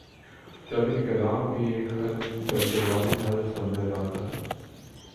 جب انقلاب بھی ایک حل بلکہ واحد حل سمجھا جاتا تھا۔